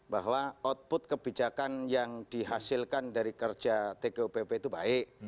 bahwa output kebijakan yang dihasilkan dari kerja tgupp itu baik